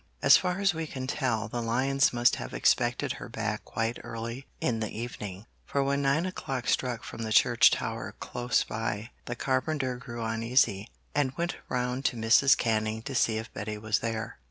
As far as we can tell, the Lyons must have expected her back quite early in the evening, for when nine o'clock struck from the church tower close by, the carpenter grew uneasy, and went round to Mrs. Canning to see if Betty was there.